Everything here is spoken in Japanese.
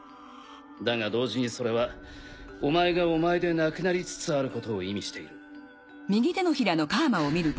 だが同時にそれはお前がお前でなくなりつつあることを意味している。